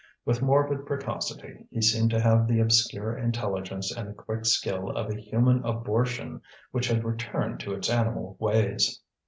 With morbid precocity, he seemed to have the obscure intelligence and the quick skill of a human abortion which had returned to its animal ways.